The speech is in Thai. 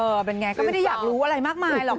เออเป็นอย่างไรก็ไม่ได้อยากรู้อะไรมากมายหรอก